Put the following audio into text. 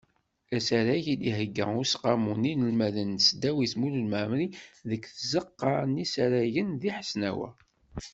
Asarag i d-ihegga Useqqamu n yinelmaden n tesdawit Mulud Mɛemmri deg tzeqqa n yisaragen di Hesnawa.